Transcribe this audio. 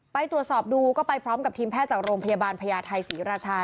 ไปตรวจสอบดูก็ไปพร้อมกับทีมแพทย์จากโรงพยาบาลพญาไทยศรีราชา